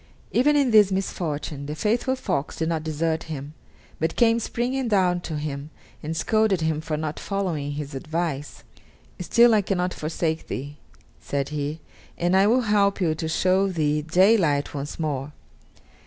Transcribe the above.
Even in this misfortune the faithful fox did not desert him, but came springing down to him and scolded him for not following his advice. "Still I cannot forsake thee," said he, "and I will help to show thee daylight once more."